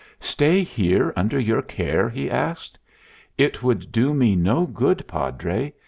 "Stay here under your care?" he asked. "It would do me no good, Padre.